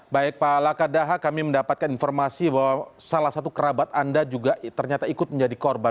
baik pak lakadaha kami mendapatkan informasi bahwa salah satu kerabat anda juga ternyata ikut menjadi korban